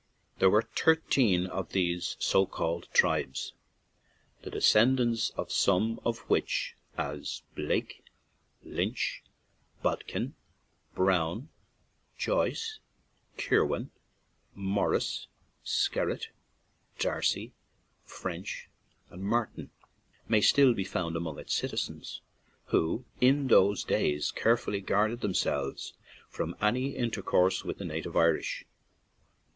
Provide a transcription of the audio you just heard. There were thirteen of these so called tribes, the descendants of some of which, as Blake, Lynch, Bodkin, Browne, Joyce, Kirwan, Morris, Skerrett, D'Arcy, Ffrench, Martin, may still be found among its citizens, who in those days carefully guarded themselves from any intercourse with the native Irish.